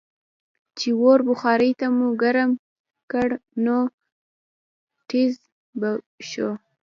چې اور بخارۍ ته مو ګرم کړ نو ټیزززز به شو.